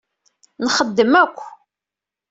Nxeddem akk.